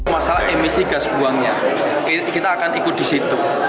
masalah emisi gas buangnya kita akan ikut di situ